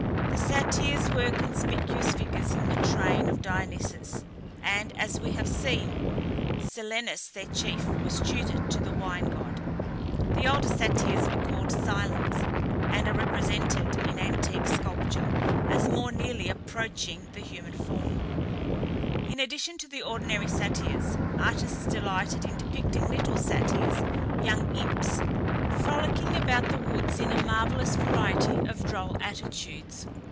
The Satyrs were conspicuous figures in the train of Dionysus, and, as we have seen, Silenus their chief was tutor to the wine god. The older Satyrs were called Silens, and are represented in antique sculpture, as more nearly approaching the human form. In addition to the ordinary Satyrs, artists delighted in depicting little Satyrs, young imps, frolicking about the woods in a marvellous variety of droll attitudes.